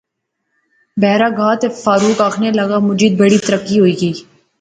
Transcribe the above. بیرا گا تے فاروق آخنے لاغا مجید بڑی ترقی ہوئی گئی